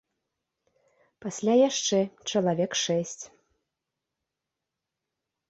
Пасля яшчэ чалавек шэсць.